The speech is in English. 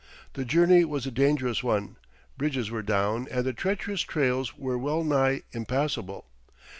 The journey was a dangerous one; bridges were down and the treacherous trails were well nigh impassable.